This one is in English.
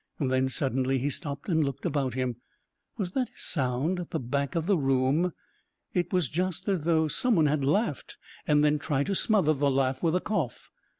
Then, suddenly, he stopped and looked about him. Was that a sound at the back of the room? It was just as though someone had laughed and then tried to smother the laugh with a cough.